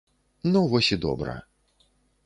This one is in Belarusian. Ну, вось і добра.